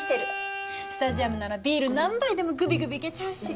スタジアムならビール何杯でもグビグビいけちゃうし。